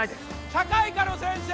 社会科の先生